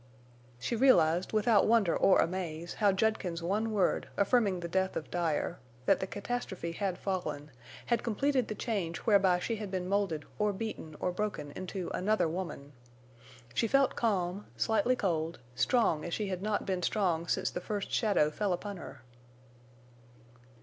She realized, without wonder or amaze, how Judkins's one word, affirming the death of Dyer—that the catastrophe had fallen—had completed the change whereby she had been molded or beaten or broken into another woman. She felt calm, slightly cold, strong as she had not been strong since the first shadow fell upon her.